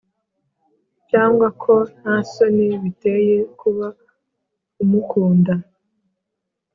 cyangwa ko nta soni biteye kuba umukunda.